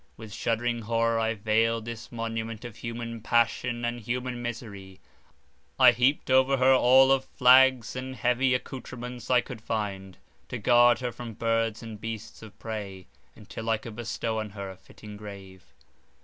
With shuddering horror I veiled this monument of human passion and human misery; I heaped over her all of flags and heavy accoutrements I could find, to guard her from birds and beasts of prey, until I could bestow on her a fitting grave.